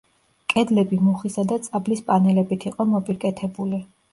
კედლები მუხისა და წაბლის პანელებით იყო მოპირკეთებული.